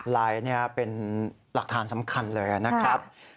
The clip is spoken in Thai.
ไลน์เป็นหลักฐานสำคัญเลยนะครับ